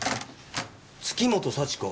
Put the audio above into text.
月本幸子。